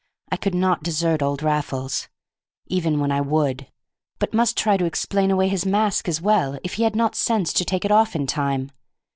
I could not desert old Raffles, even when I would, but must try to explain away his mask as well, if he had not the sense to take it off in time.